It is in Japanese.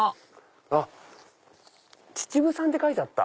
あっ秩父産って書いてあった。